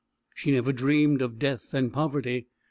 She never dreamed of death and poverty.